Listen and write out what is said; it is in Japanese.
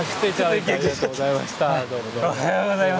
おはようございます。